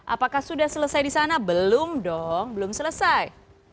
apakah sudah selesai di sana belum dong belum selesai